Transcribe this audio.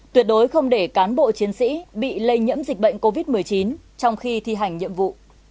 tuyệt đối không để cán bộ chiến sĩ bị lây nhiễm dịch bệnh covid một mươi chín trong khi thi hành nhiệm vụ